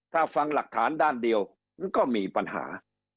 ถ้าฟังหลักฐานด้านเดียวมันก็มีปัญหา